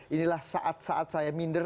inilah saat saat saya minder